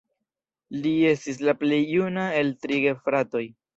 Li estis la plej juna el tri gefratoj.